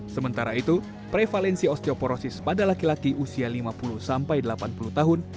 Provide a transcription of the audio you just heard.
sementara itu prevalensi osteoporosis pada laki laki usia lima puluh sampai delapan puluh tahun